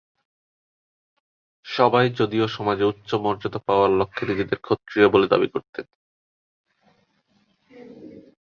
সবাই যদিও সমাজে উচ্চ মর্যাদা পাওয়ার লক্ষ্যে নিজেদের ক্ষত্রিয় বলে দাবি করতেন।